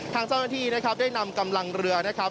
ทางเจ้าหน้าที่นะครับได้นำกำลังเรือนะครับ